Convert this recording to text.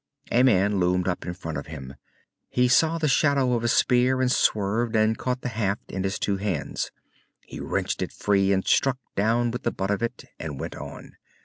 A man loomed up in front of him. He saw the shadow of a spear and swerved, and caught the haft in his two hands. He wrenched it free and struck down with the butt of it, and went on.